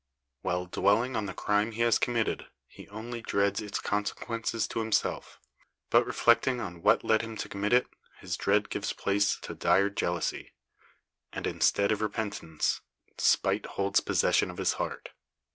While dwelling on the crime he has committed, he only dreads its consequences to himself; but, reflecting on what led him to commit it, his dread gives place to dire jealousy; and, instead of repentance, spite holds possession of his heart.